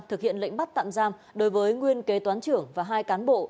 thực hiện lệnh bắt tạm giam đối với nguyên kế toán trưởng và hai cán bộ